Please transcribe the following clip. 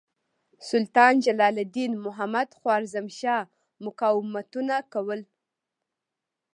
سلطان جلال الدین محمد خوارزمشاه مقاومتونه کول.